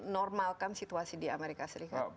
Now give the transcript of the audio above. normalkan situasi di amerika serikat